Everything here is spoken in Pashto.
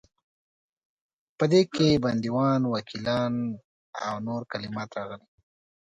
په دې کې بندیوان، وکیلان او نور کلمات راغلي.